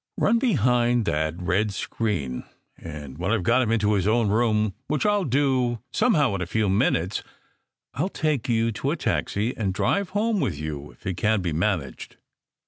Run behind that red screen, and when I ve got him into his own room, which I ll do somehow in a few minutes, I ll take you to a taxi, and drive home with you if it can be managed."